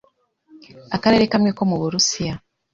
Akarere kamwe ko mu Burusiya